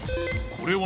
これは。